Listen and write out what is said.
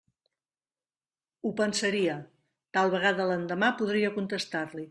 Ho pensaria; tal vegada l'endemà podria contestar-li.